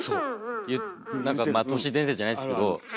何かまあ都市伝説じゃないですけど。